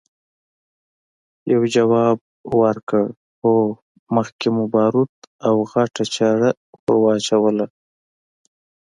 يوه ځواب ورکړ! هو، مخکې مو باروت او غټه چره ور واچوله!